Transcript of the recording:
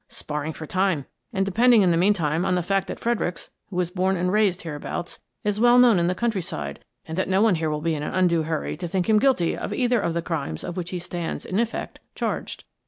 "" Sparring for time and depending, in the mean while, on the fact that Fredericks, who was born and raised hereabouts, is well known in the coun tryside and that no one here will be in an undue hurry to think him guilty of either of the crimes of which he stands, in effect, charged."